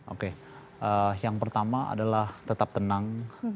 oke yang pertama adalah tetap tenang